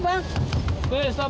bukannya dari tadi